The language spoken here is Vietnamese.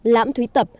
lãm thúy tập